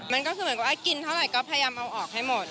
มันก็คือเหมือนกับว่ากินเท่าไหร่ก็พยายามเอาออกให้หมด